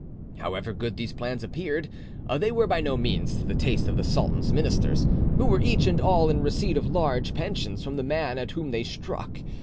However good these plans appeared, they were by no means to the taste of the sultan's ministers, who were each and all in receipt of large pensions from the man at whom they struck.